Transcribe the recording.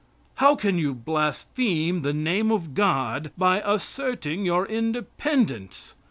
How can you blaspheme the name of God by asserting your independence?